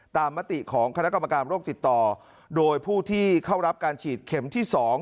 ต่ามติของค๑๐๕โดยผู้ที่เข้ารับการฉีดเข็มที่๒